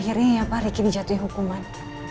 akhirnya ya pak riki dijatuhi hukuman